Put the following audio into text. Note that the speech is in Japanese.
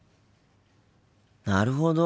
なるほど。